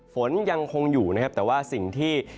ฝนยังคงอยู่แต่ว่าสิ่งที่